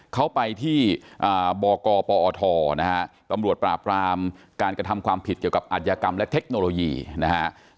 เขาไปที่บกปอทนะฮะตำรวจปราบรามการกระทำความผิดเกี่ยวกับอัธยากรรมและเทคโนโลยีนะฮะ